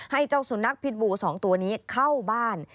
ให้เจ้าสุนัขพิษบู๒ตัวนี้เข้าบ้าน